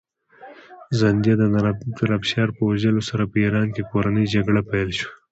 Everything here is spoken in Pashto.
زندیه د نادرافشار په وژلو سره په ایران کې کورنۍ جګړه پیل شوه.